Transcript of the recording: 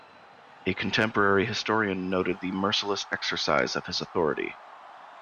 A contemporary historian noted the "merciless exercise of his authority".